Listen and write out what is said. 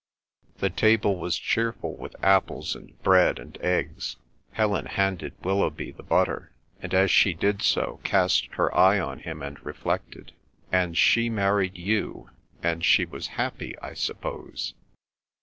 The table was cheerful with apples and bread and eggs. Helen handed Willoughby the butter, and as she did so cast her eye on him and reflected, "And she married you, and she was happy, I suppose."